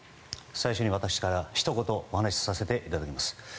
最初に私からひと言お話させていただきます。